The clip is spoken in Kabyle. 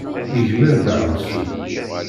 Igmer ddaɛwessu.